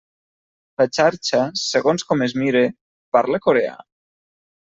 La xarxa, segons com es mire, parla coreà?